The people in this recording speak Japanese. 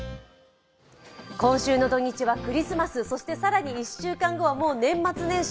今週の土日はクリスマス、そして更に１週間後はもう年末年始。